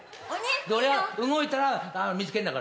で俺が動いたら見つけるんだからな。